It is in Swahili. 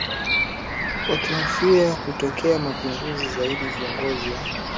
Wakihofia kutokea mapinduzi zaidi viongozi wa